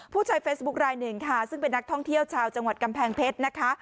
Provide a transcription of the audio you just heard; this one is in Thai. ผู้ใช้เฟซบุ๊คลายหนึ่งค่ะซึ่งเป็นนักท่องเที่ยวชาวจังหวัดกำแพงเพชรนะคะ